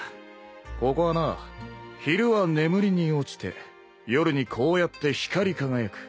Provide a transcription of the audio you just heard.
ここはな昼は眠りに落ちて夜にこうやって光り輝く。